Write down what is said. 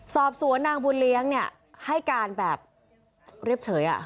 สอบสวนนางบุญเลี้ยงเนี่ยให้การแบบเรียบเฉย